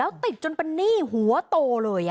แล้วติดจนไปนี่หัวโตเลย